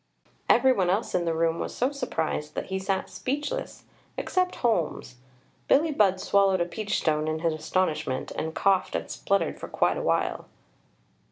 Every one else in the room was so surprised that he sat speechless, except Holmes. Billie Budd swallowed a peach stone in his astonishment, and coughed and spluttered for quite a while.